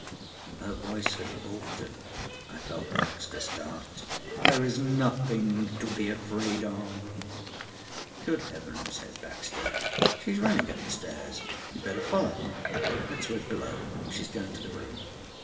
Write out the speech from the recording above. Her voice had altered. I felt Baxter start. "There's nothing to be afraid of." "Good heavens!" said Baxter. "She's running up the stairs. We'd better follow." "Let's wait below. She's going to the room."